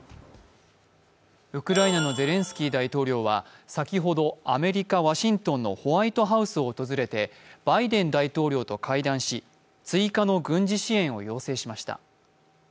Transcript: ウクライナのゼレンスキー大統領は先ほど、アメリカ・ワシントンのホワイトハウスを訪れてバイデン大統領と会談し追加の軍事支援を要請しました。